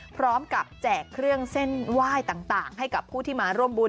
แจกเครื่องเส้นไหว้ต่างให้กับผู้ที่มาร่วมบุญ